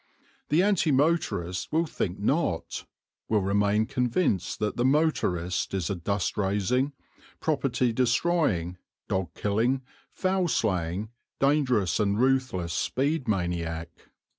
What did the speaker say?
The anti motorist will think not, will remain convinced that the motorist is a dust raising, property destroying, dog killing, fowl slaying, dangerous and ruthless speed maniac.